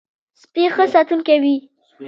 سپي ښه ساتونکی وي.